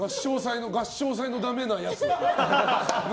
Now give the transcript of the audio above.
合唱祭のダメなやつ。